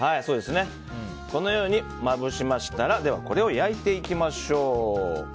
このようにまぶしましたらこれを焼いていきましょう。